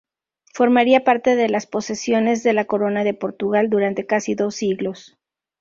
Formaría parte de las posesiones de la Corona de Portugal durante casi dos siglos.